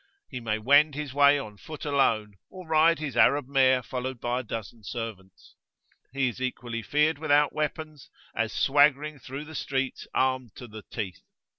He may wend his way on foot alone, or ride his Arab mare followed by a dozen servants; he is equally feared without weapons, as swaggering through the streets armed to the teeth.